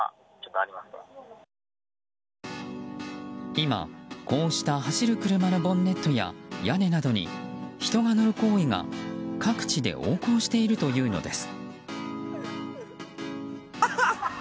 今、こうした走る車のボンネットや屋根などに人が乗る行為が各地で横行しているというのです。